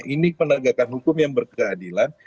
ini penegakan hukum yang berkeadilan